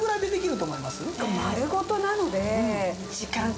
丸ごとなので。